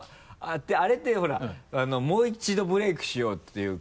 あれってほらもう一度ブレイクしようっていうか。